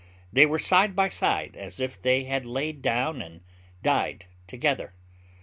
They were side by side, as if they had laid down and died together!